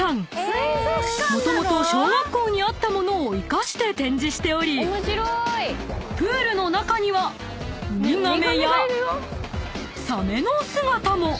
［もともと小学校にあった物を生かして展示しておりプールの中にはウミガメやサメの姿も］